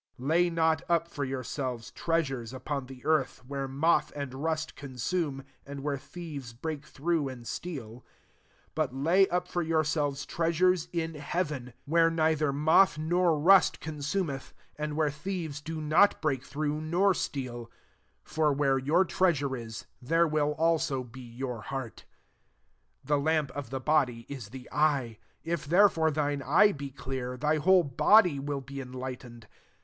19 •' Lay not up for yourselves treasures upon the earth, where moth and rust consume, and where thieves break through and steal : 20 but lay up for yourselves treasures in heaven, where neither moth nor rust x2onsumeth» and where thieves do not break through nor steal : 21 for where your treasure is, there will also be your heart. 22 « The lamp of the body is the eye : if therefore thine eye be clear, thy whole body will be enlightened.